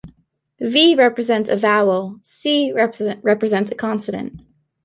V represents a vowel; C represents a consonant.